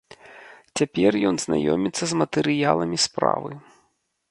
Цяпер ён знаёміцца з матэрыяламі справы.